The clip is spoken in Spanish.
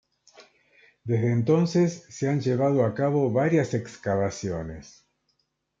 Desde entonces, se han llevado a cabo varias excavaciones.